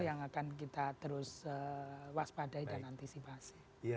sehingga kita terus mewaspadai dan anticipate